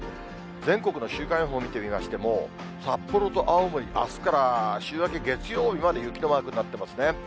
全国の週間予報見てみましても、札幌と青森、あすから週明け月曜日まで雪のマークになってますね。